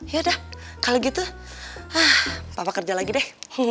yaudah kalo gitu papa kerja lagi deh